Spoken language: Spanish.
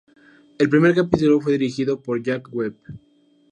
El primer capítulo fue dirigido por Jack Webb.